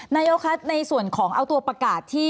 นายกคะในส่วนของเอาตัวประกาศที่